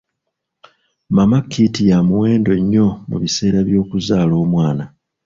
Mama kit ya muwendo nnyo mu biseera by'okuzaala omwana.